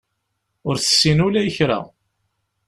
Ur tessin ula i kra.